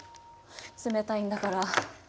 冷たいんだから。